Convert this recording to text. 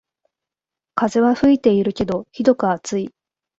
風は吹いてるけどひどく暑い